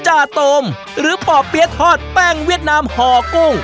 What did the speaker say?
จ่าโตมหรือป่อเปี๊ยะทอดแป้งเวียดนามห่อกุ้ง